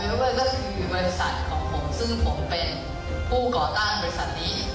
เวลเวลเบอร์ก็คือบริษัทของผมซึ่งผมเป็นผู้ก่อต้านบริษัทนี้